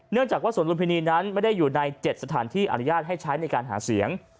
จากว่าสวนลุมพินีนั้นไม่ได้อยู่ใน๗สถานที่อนุญาตให้ใช้ในการหาเสียง